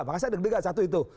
makanya saya deg degan satu itu